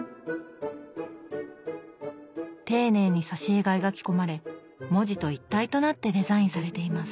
丁寧に挿絵が描き込まれ文字と一体となってデザインされています。